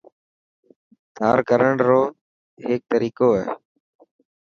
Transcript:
ڌار ڪرڻ رو هيڪ طريقو هي.